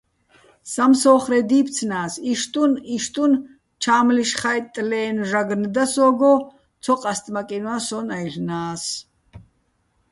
სამსო́ხრე დი́ფცნას, იშტუნ-იშტუნ ჩა́მლიშ ხაჲტტლე́ნო̆ ჟაგნო და სო́გო, ცო ყასტმაკინვა სონ-აჲლნა́ს.